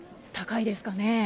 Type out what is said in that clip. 高いですかね。